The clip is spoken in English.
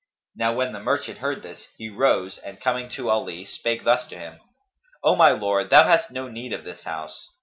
'" Now when the merchant heard this, he rose and coming to Ali, spake thus to him, "O my lord, thou hast no need of this house."